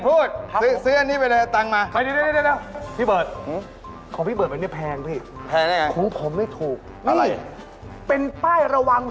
เป็นบ้านหมายขนแล้วศุกร์แล้ว